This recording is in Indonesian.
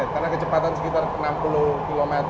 karena kecepatan sekitar enam puluh km